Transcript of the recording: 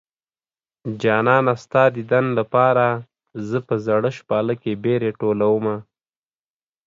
جانانه ستا ديدن لپاره زه په زړه شپاله کې بېرې ټولومه